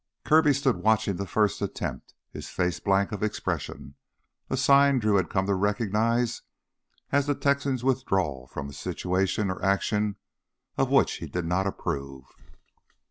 Kirby stood watching the first attempt, his face blank of expression, a sign Drew had come to recognize as the Texan's withdrawal from a situation or action of which he did not approve.